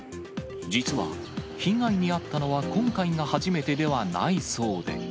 実は、被害に遭ったのは今回が初めてではないそうで。